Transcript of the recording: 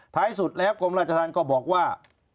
ท้ายสุดแล้วกรมราชธรรมก็บอกว่า